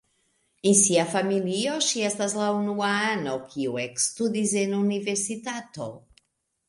En sia familio ŝi estas la unua ano, kiu ekstudis en universitato.